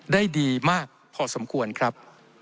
ได้ดีมากพอสมควรครับ